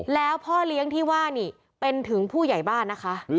แล้วพ่อเลี้ยงที่ว่านี่เป็นถึงผู้ใหญ่บ้านนะคะ